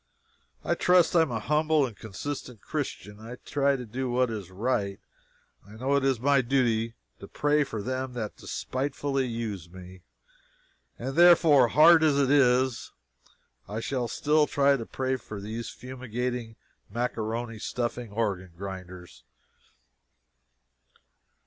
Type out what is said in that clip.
I trust I am a humble and a consistent Christian. I try to do what is right. I know it is my duty to "pray for them that despitefully use me;" and therefore, hard as it is, I shall still try to pray for these fumigating, maccaroni stuffing organ grinders.